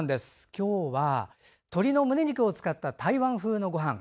今日は、鳥のむね肉を使った台湾風のごはん。